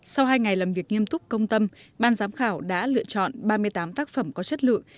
sau hai ngày làm việc nghiêm túc công tâm ban giám khảo đã lựa chọn ba mươi tám tác phẩm có chất lượng